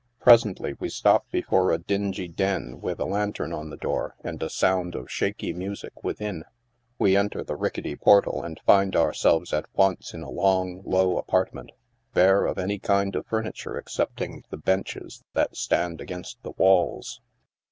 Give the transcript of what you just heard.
Presently we stop before a dingy den with a lantern on the door and a sound of shaky music within. We enter the ricketty portal and find ourselves at once in a long, low apartment, bare of any kind of furniture excepting the benches that stand against the walls.